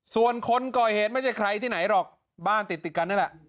ส่วนคนก่อเหตุไม่ใช่ใครที่ไหนหรอกบ้านติดติดกันนั่นแหละ